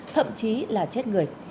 thậm chí là chết người